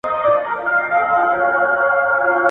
• پور د ميني لور دئ.